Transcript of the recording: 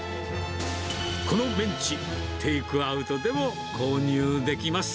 このメンチ、テイクアウトでも購入できます。